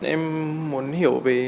em muốn hiểu về